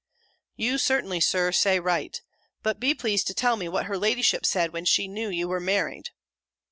"You certainly, Sir, say right. But be pleased to tell me what her ladyship said when she knew you were married."